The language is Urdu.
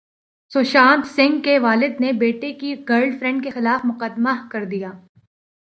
سشانت سنگھ کے والد نے بیٹے کی گرل فرینڈ کےخلاف مقدمہ کردیا